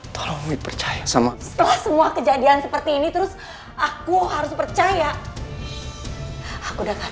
tolong percaya sama semua kejadian seperti ini terus aku harus percaya aku udah nggak